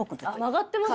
曲がってません？